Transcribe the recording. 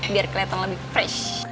biar keliatan lebih fresh